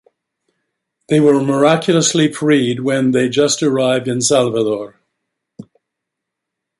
They were miraculously freed when they just arrived in Salvador.